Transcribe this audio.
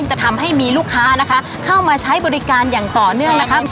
จะทำให้มีลูกค้านะคะเข้ามาใช้บริการอย่างต่อเนื่องนะครับ